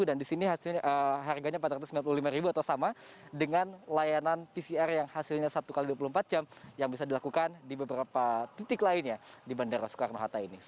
dan di sini harganya rp empat ratus sembilan puluh lima atau sama dengan layanan pcr yang hasilnya satu x dua puluh empat jam yang bisa dilakukan di beberapa titik lainnya di bandara soekarno hatta ini